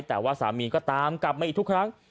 แต่ว่าสามีก็ตามกลับมาอีกทุกครั้ง